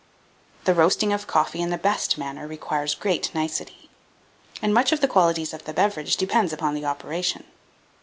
1804. The roasting of coffee in the best manner requires great nicety, and much of the qualities of the beverage depends upon the operation.